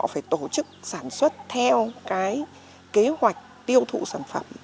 họ phải tổ chức sản xuất theo cái kế hoạch tiêu thụ sản phẩm